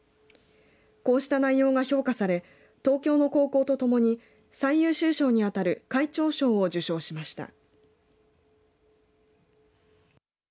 こうした内容が評価され東京の高校とともに最優秀賞に当たる会長賞を受賞しました。